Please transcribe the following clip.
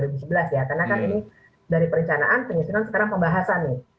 karena kan ini dari perencanaan penyusunan sekarang pembahasan nih